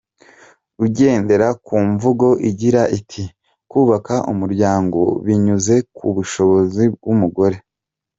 Ugendera ku mvugo igira iti “Kubaka Umuryango binyuze ku bushobozi bw’umugore”.